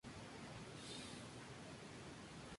Actualmente es editado por Bryce Johns.